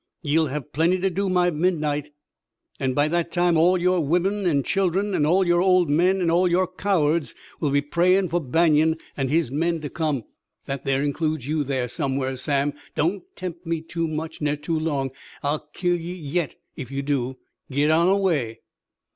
Ye'll have plenty to do by midnight, an' by that time all yore womern an' children, all yore old men an' all yore cowards'll be prayin' fer Banion an' his men to come. That there includes you somewhere's, Sam. Don't temp' me too much ner too long. I'll kill ye yit ef ye do! Git on away!"